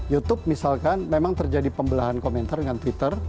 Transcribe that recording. youtube misalkan memang terjadi pembelahan komentar dengan twitter